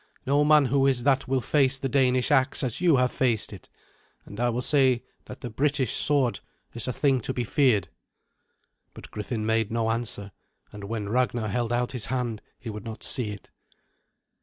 No man who is that will face the Danish axe as you have faced it, and I will say that the British sword is a thing to be feared." But Griffin made no answer, and when Ragnar held out his hand he would not see it.